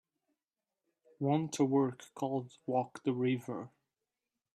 Want a work called Walk the River